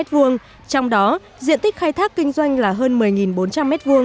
trong đó diện tích khai thác kinh doanh là hơn một mươi bốn trăm linh m hai